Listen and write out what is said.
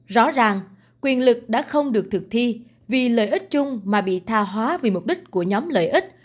rõ ràng quyền lực đã không được thực thi vì lợi ích chung mà bị tha hóa vì mục đích của nhóm lợi ích